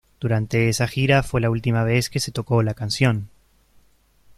Durante esa gira fue la última vez que se tocó la canción.